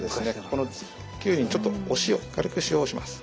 このきゅうりにちょっとお塩軽く塩をします。